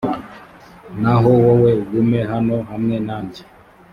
naho wowe, ugume hano hamwe nanjye;